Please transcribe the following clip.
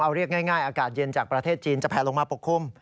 เอาเรียกง่ายอากาศเย็นจากประเทศจีนจะแผลลงมาปกคลุม